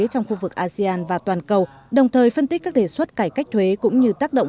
trong khu vực asean và toàn cầu đồng thời phân tích các đề xuất cải cách thuế cũng như tác động